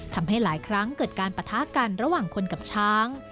ทำให้หลายครั้งเกิดการปะทะกันระหว่างคนกับช้าง